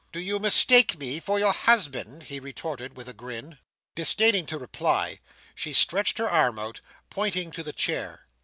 "Do you mistake me for your husband?" he retorted, with a grin. Disdaining to reply, she stretched her arm out, pointing to the chair.